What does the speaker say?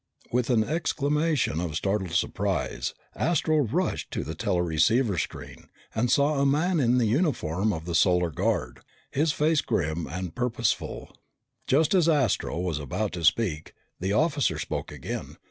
With an exclamation of startled surprise, Astro rushed to the teleceiver screen and saw a man in the uniform of the Solar Guard, his face grim and purposeful. Just as Astro was about to speak, the officer spoke again.